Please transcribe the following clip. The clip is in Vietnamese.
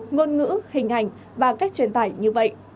ngôn ngữ hình ảnh và cách truyền tải như vậy